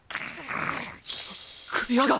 首輪が！